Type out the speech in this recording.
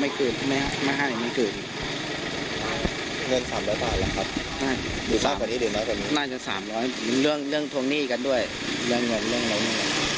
ไม่กลืนไม่ให้ไม่กลืนเงินสามร้อยพันหรือครับน่าจะสามร้อยเรื่องเรื่องทวงหนี้กันด้วยเรื่องเงินเรื่องเรื่องเงิน